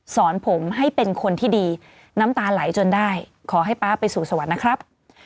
สอนผมให้เป็นคนที่ดีน้ำตาไหลจนได้ขอให้ป๊าไปสู่สวรรค์นะครับ